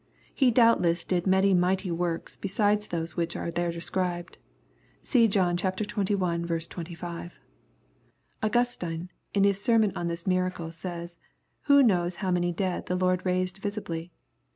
He doubtless did many mighty works, beside those which are there described. See John xxi. 25. Augustine, in his sermon on ijm miracle, says :" Who knows how many dead the Lord raised visibly